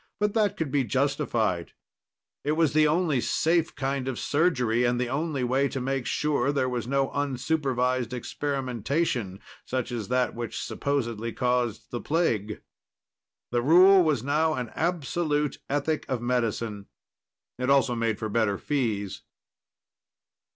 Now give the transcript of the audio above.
But that could be justified; it was the only safe kind of surgery and the only way to make sure there was no unsupervised experimentation, such as that which supposedly caused the plague. The rule was now an absolute ethic of medicine. It also made for better fees.